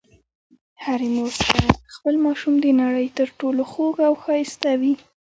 هرې مور ته خپل ماشوم د نړۍ تر ټولو خوږ او ښایسته وي.